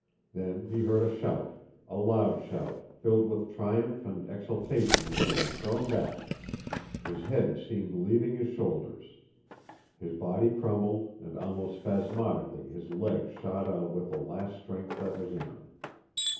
Then he heard a shout, a loud shout, filled with triumph and exultation as he was thrown back; his head seemed leaving his shoulders; his body crumbled, and almost spasmodically his leg shot out with the last strength that was in him.